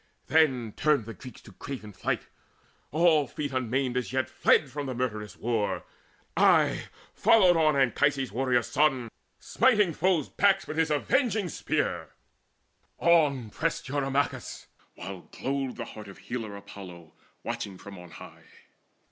Then turned the Greeks to craven flight; all feet Unmaimed as yet fled from the murderous war. Aye followed on Anchises' warrior son, Smiting foes' backs with his avenging spear: On pressed Eurymachus, while glowed the heart Of Healer Apollo watching from on high.